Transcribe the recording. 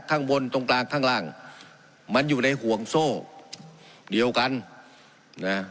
ข้างบนตรงกลางข้างล่างมันอยู่ในห่วงโซ่เดียวกันนะ